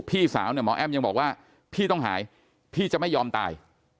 พี่สาวเนี่ยหมอแอ้มยังบอกว่าพี่ต้องหายพี่จะไม่ยอมตาย